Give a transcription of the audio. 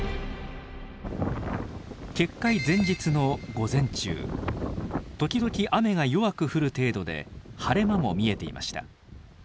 決壊前日の午前中時々雨が弱く降る程度で晴れ間も見えていました。